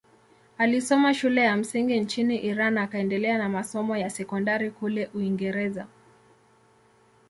Alisoma shule ya msingi nchini Iran akaendelea na masomo ya sekondari kule Uingereza.